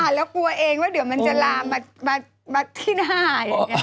อ่านแล้วกลัวเองว่ามันจะลามมาที่หน้า